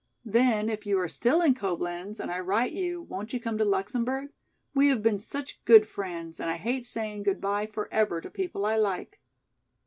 Then if you are still in Coblenz and I write you, won't you come to Luxemburg? We have been such good friends and I hate saying goodby forever to people I like."